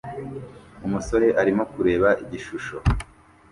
Umusore arimo kureba igishusho